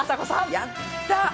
やった！